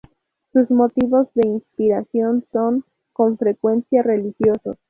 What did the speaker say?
Sus motivos de inspiración son, con frecuencia, religiosos.